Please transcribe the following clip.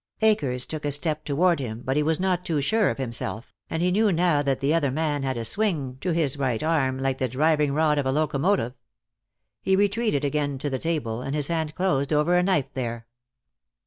Akers took a step toward him, but he was not too sure of himself, and he knew now that the other man had a swing to his right arm like the driving rod of a locomotive. He retreated again to the table, and his hand closed over a knife there.